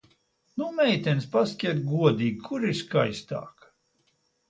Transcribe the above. Nu, meitenes, pasakiet godīgi, kura ir skaistāka?